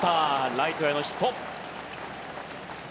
ライトへのヒット。